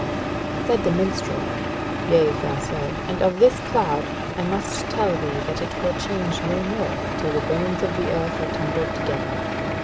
Said the minstrel: "Yea, fair sir, and of this cloud I must tell thee that it will change no more till the bones of the earth are tumbled together.